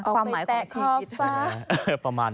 ความหมายของชีวิต